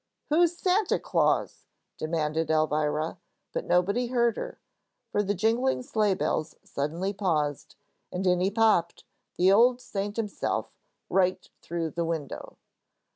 "Who's Santa Claus?" demanded Elvira, but nobody heard her, for the jingling sleigh bells suddenly paused, and in he popped, the old saint himself, right through the window!